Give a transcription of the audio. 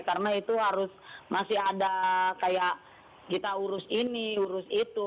karena itu harus masih ada kayak kita urus ini urus itu